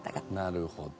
なるほど。